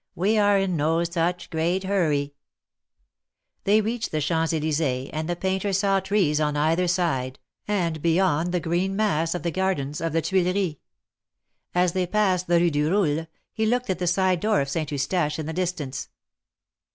" Wc are in no such great hurry !" They reached the Champs Elysees, and the painter saw 212 THE MARKETS OF PARIS. trees on either side, and beyond the green mass of the gardens of the Tuileries. As they passed the Kue du Roule, he looked at the side door of Saint Eustache in the distance.